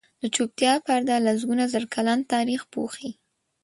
د چوپتیا پرده لسګونه زره کلن تاریخ پوښي.